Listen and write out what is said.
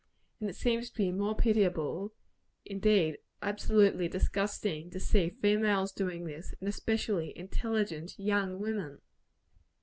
And it seems to me still more pitiable indeed, absolutely disgusting to see females doing this; and especially, intelligent young women!